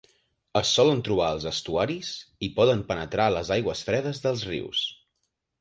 Es solen trobar als estuaris i poden penetrar a les aigües fredes dels rius.